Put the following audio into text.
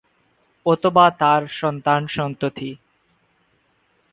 অথবা তার সন্তান-সন্ততি।